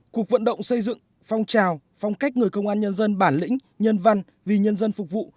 cuộc vận động xây dựng phong trào phong cách người công an nhân dân bản lĩnh nhân văn vì nhân dân phục vụ